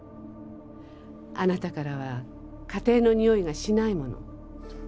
あなたからは家庭のにおいがしないもの。